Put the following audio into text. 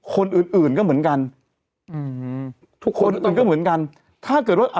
คนอื่นอื่นก็เหมือนกันอืมทุกคนมันก็เหมือนกันถ้าเกิดว่า